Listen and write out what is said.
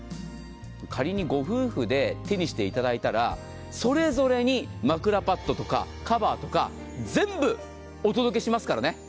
仮にご夫婦で手にしていただいたら、それぞれに枕パッドとかカバーとか全部お届けしますからね。